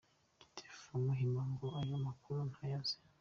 Gitifu wa Muhima ngo ayo makuru ntayo azi .